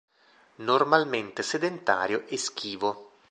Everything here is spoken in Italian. Normalmente sedentario e schivo.